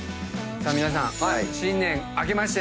皆さん新年明けまして。